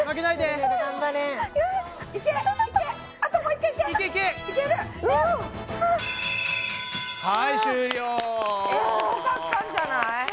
すごかったんじゃない？